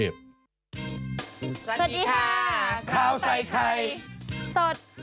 สด